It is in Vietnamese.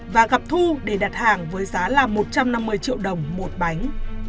và gặp thu để đặt hàng với giá là một trăm năm mươi triệu đồng một bánh